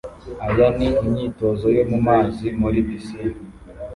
Aya ni imyitozo yo mumazi muri pisine